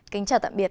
kính chào tạm biệt